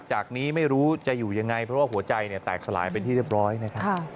จากนี้ไม่รู้จะอยู่ยังไงเพราะว่าหัวใจเนี่ยแตกสลายเป็นที่เรียบร้อยนะครับ